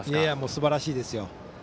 すばらしいですよ。